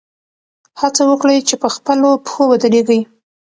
هڅه وکړئ چې په خپلو پښو ودرېږئ.